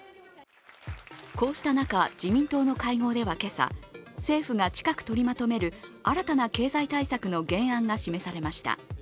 こうした中、自民党の会合では今朝政府が近く取りまとめる新たな経済対策の原案が示されました。